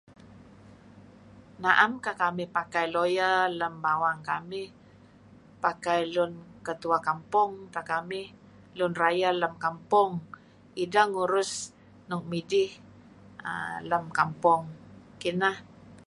Naem kekamih pakai lawyer lem bawang kamih pakai Ketua Kampong teh kamih. Lun Rayeh lem kampong ideh ngurus nuk midih uhm lem kampong. Kinah.